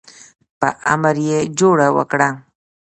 په امر یې جوړه وکړه.